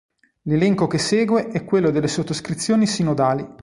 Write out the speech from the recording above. L'elenco che segue è quello delle sottoscrizioni sinodali.